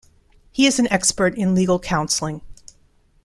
He is an expert in legal counseling.